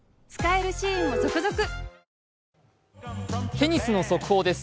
テニスの速報です。